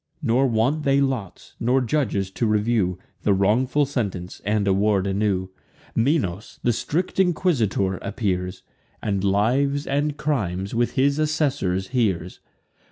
Nor want they lots, nor judges to review The wrongful sentence, and award a new. Minos, the strict inquisitor, appears; And lives and crimes, with his assessors, hears.